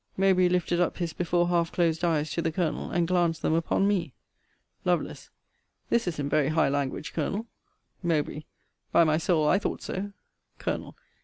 Mowbray lifted up his before half closed eyes to the Colonel, and glanced them upon me. Lovel. This is in very high language, Colonel. Mowbr. By my soul, I thought so. Col.